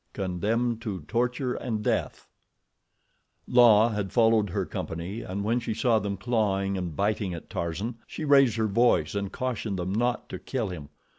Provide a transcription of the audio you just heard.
Condemned To Torture and Death La had followed her company and when she saw them clawing and biting at Tarzan, she raised her voice and cautioned them not to kill him.